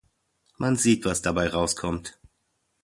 Man sieht, was dabei rauskommt.